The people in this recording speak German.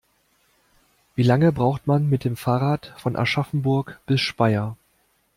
Wie lange braucht man mit dem Fahrrad von Aschaffenburg bis Speyer?